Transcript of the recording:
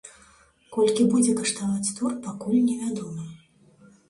Колькі будзе каштаваць тур, пакуль невядома.